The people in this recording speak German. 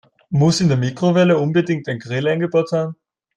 Muss in der Mikrowelle unbedingt ein Grill eingebaut sein?